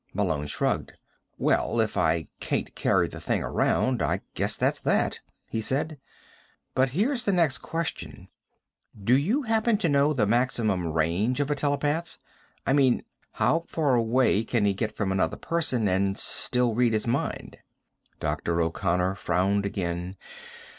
Malone shrugged. "Well, if I can't carry the thing around, I guess that's that," he said. "But here's the next question: Do you happen to know the maximum range of a telepath? I mean: How far away can he get from another person and still read his mind?" Dr. O'Connor frowned again.